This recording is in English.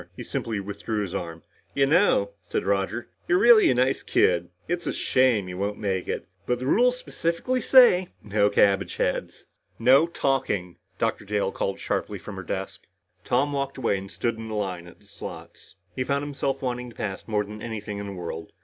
He simply withdrew his arm. "You know," said Roger, "you're really a nice kid. It's a shame you won't make it. But the rules specifically say 'no cabbageheads.'" "No talking!" Dr. Dale called sharply from her desk. Tom walked away and stood in the line at the slots. He found himself wanting to pass more than anything in the world.